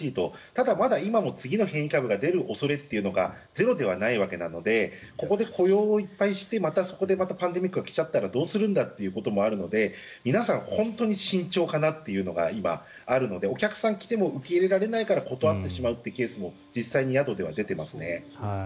ただ今も今の変異株が出る恐れがゼロではないわけなのでここで雇用をいっぱいしてまたパンデミックが来たらどうするんだということもあるので皆さん本当に慎重かなというのが今、あるのでお客さんが来ても受け入れられないから断ってしまうというケースも実際に宿では出ていますね。